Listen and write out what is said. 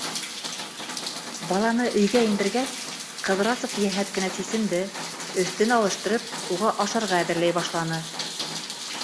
Баланы өйгә индергәс, Ҡыҙрасов йәһәт кенә сисенде, өҫтөн алыштырып, уға ашарға әҙерләй башланы.